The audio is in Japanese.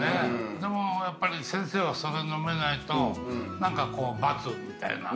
でもやっぱり先生はそれ飲めないと何かこう罰みたいな。